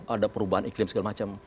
ada perubahan iklim segala macam